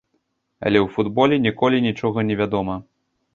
Але ў футболе ніколі нічога не вядома.